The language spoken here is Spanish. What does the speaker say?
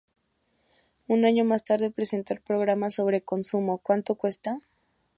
Un año más tarde presentó el programa sobre consumo "¿Cuánto cuesta?".